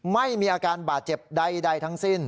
ไม่มีอาการบาดเจ็บใดทั้งสิ้น